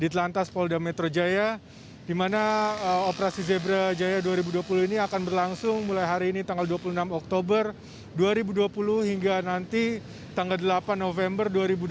di telantas polda metro jaya di mana operasi zebra jaya dua ribu dua puluh ini akan berlangsung mulai hari ini tanggal dua puluh enam oktober dua ribu dua puluh hingga nanti tanggal delapan november dua ribu dua puluh